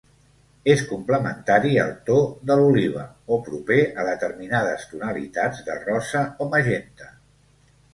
És complementari al to de l'oliva o proper a determinades tonalitats de rosa o magenta.